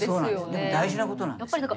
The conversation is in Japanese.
でも大事なことなんですね。